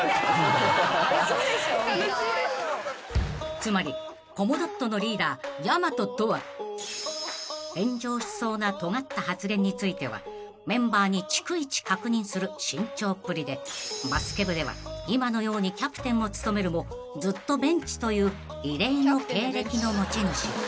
［つまりコムドットのリーダーやまととは炎上しそうな尖った発言についてはメンバーに逐一確認する慎重っぷりでバスケ部では今のようにキャプテンを務めるもずっとベンチという異例の経歴の持ち主］